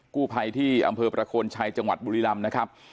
กู้ภัยที่อำเภอประโคนชัยจังหวัดบุรีรำนะครับ